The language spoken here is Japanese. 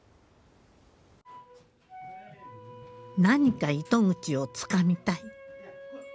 何か糸口をつかみたい。